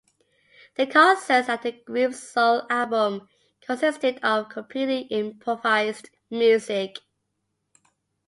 The concerts, like the group's sole album, consisted of completely improvised music.